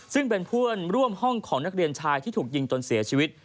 ซึ่งเป็นเพื่อนร่วมห้องของนักเรียนชายที่ถูกยิงจนเสียชีวิต